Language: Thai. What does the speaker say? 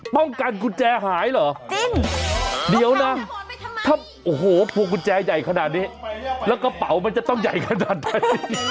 ป้องกันกุญแจหายเหรอจริงโอ้โฮพวกกุญแจใหญ่ขนาดนี้แล้วกระเป๋ามันจะต้องใหญ่ขนาดนี้